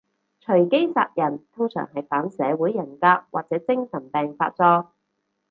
隨機殺人通常係反社會人格或者精神病發作